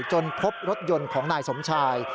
จนพบรถยนต์ของนายสมชาย